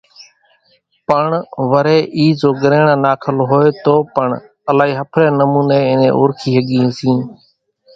پڻ وريَ اِي زو ڳريڻان ناکل هوئيَ تو پڻ الائِي ۿڦريَ نمونيَ اين نين اورکِي ۿڳيئين سيئين۔